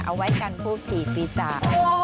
เอาไว้กันผู้ถี่ฟีซ่า